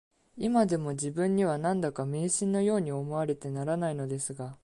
いまでも自分には、何だか迷信のように思われてならないのですが